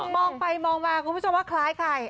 มองไปมองมาคุณผู้ชมว่าคล้ายใคร